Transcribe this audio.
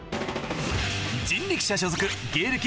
人力舎所属芸歴